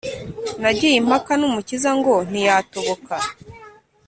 nagiye impaka n’umukinzi ngo ntiyatoboka,